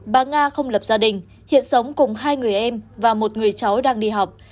bà nga không lập gia đình hiện sống cùng hai người em và một người cháu đang đi học